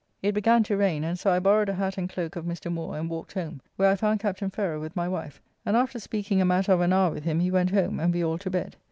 It began to rain, and so I borrowed a hat and cloak of Mr. Moore and walked home, where I found Captain Ferrer with my wife, and after speaking a matter of an hour with him he went home and we all to bed.